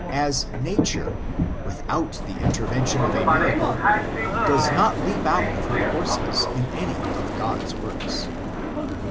as nature^ without the intenrention of a miracle^ does not leap out of her courses in any of Qod's works.